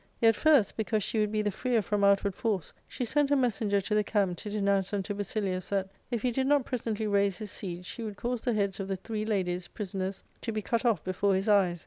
Yet first, because she would be the freer from outward force, she sent a messenger to the camp to denounce unto Basilius, that, if he did ngt presently raise his siege, she would cause the heads of the three ladies, prisoners, to be cut off before his eyes.